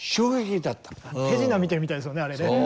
手品見てるみたいですよねあれね。